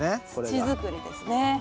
土づくりですね。